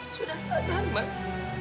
sudah sadar mas